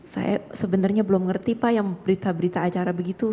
saya sebenarnya belum ngerti pak yang berita berita acara begitu